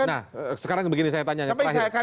nah sekarang begini saya tanya